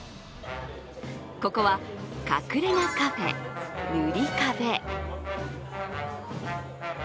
ここは、隠れ家カフェヌリカベ。